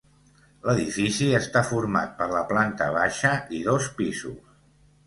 L'edifici està format per la planta baixa i dos pisos.